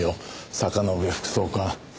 坂之上副総監。